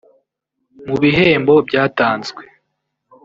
Mu bihembo byatanzwe